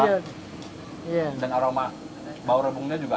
dan aroma bau rebungnya juga